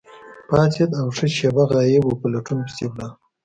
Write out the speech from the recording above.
پاڅید او ښه شیبه غایب وو، په لټون پسې ولاړ.